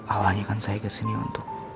awalnya kan saya kesini untuk